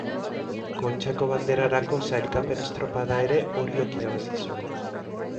Kontxako Banderarako Sailkapen estropada ere Oriok irabazi zuen.